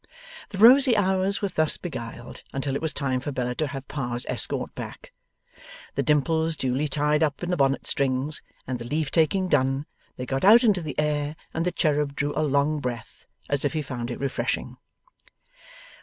The rosy hours were thus beguiled until it was time for Bella to have Pa's escort back. The dimples duly tied up in the bonnet strings and the leave taking done, they got out into the air, and the cherub drew a long breath as if he found it refreshing.